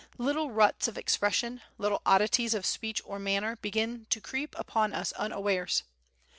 Little ruts of expression, little oddities of speech or manner begin to creep upon us unawares.